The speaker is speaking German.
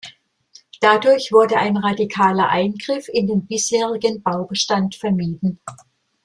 Dadurch wurde ein radikaler Eingriff in den bisherigen Baubestand vermieden.